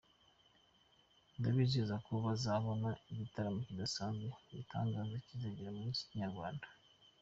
Ndabizeza ko bazabona igitaramo kidasanzwe, bitanga icyizere ku muziki nyarwanda.